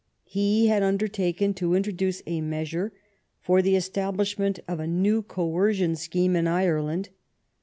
He had undertaken to introduce a measure for the estab lishment of a new coercion scheme in Ireland.